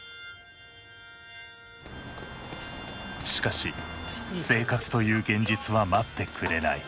しかし生活という現実は待ってくれない。